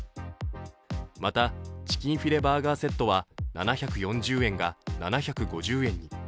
また、チキンフィレバーガーセットは７４０円が７５０円に。